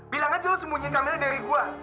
bilang aja lo sembunyiin camilla dari gua